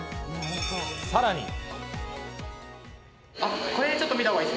さらに。